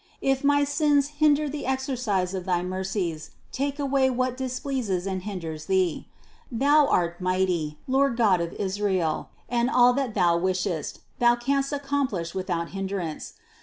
If my sins hinder the exercise of thy mercies, THE CONCEPTION 149 take away what displeases and hinders Thee. Thou art mighty, Lord God of Israel, and all that Thou wishest, Thou canst accomplish without hindrance.